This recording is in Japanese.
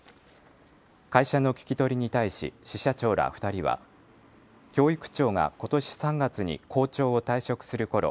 会社の聞き取りに対し支社長ら２人は教育長がことし３月に校長を退職するころ